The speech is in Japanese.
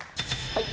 はい。